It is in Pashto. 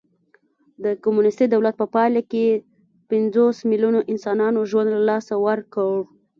د کمونېستي دولت په پایله کې پنځوس میلیونو انسانانو ژوند له لاسه ورکړ